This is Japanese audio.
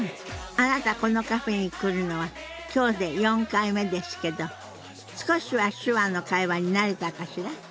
あなたこのカフェに来るのは今日で４回目ですけど少しは手話の会話に慣れたかしら？